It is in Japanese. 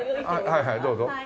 はいはいどうぞ。